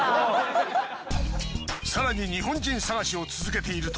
更に日本人探しを続けていると。